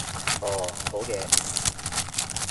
哦，好嘅